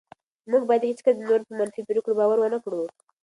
موږ باید هېڅکله د نورو په منفي پرېکړو باور ونه کړو.